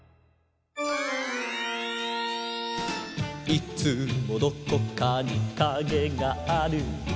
「いつもどこかにカゲがある」